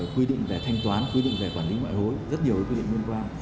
quy định về thanh toán quy định về quản lý ngoại hối rất nhiều quy định liên quan